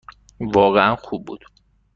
واقعاً خوب بود.